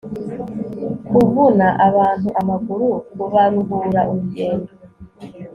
kuvuna abantu amaguru kubaruhura urugendo